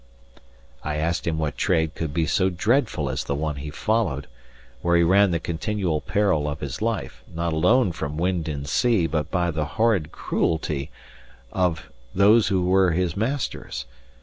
I asked him what trade could be so dreadful as the one he followed, where he ran the continual peril of his life, not alone from wind and sea, but by the horrid cruelty of those who were his masters.